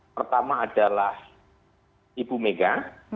pertama adalah ibu mega